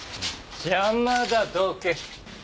邪魔だどけ。